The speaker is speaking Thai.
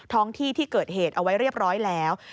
ท้องที่ที่เกิดเหตุเอาไว้เรียบร้อยแล้ว